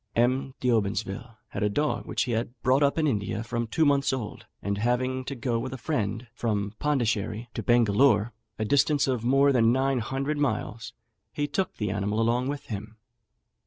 M. D'Obsonville had a dog which he had brought up in India from two months old; and having to go with a friend from Pondicherry to Bengalore, a distance of more than nine hundred miles, he took the animal along with him.